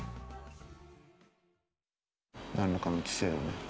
何らかの知性をね